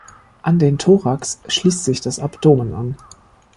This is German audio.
An den Thorax schließt sich das Abdomen an.